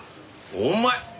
お前。